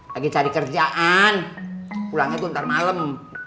kayak cari kerjaan pulangnya maar malam